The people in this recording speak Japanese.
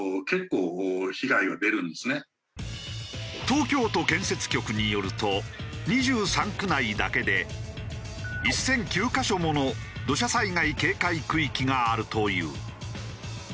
東京都建設局によると２３区内だけで１００９カ所もの土砂災害警戒区域があるという。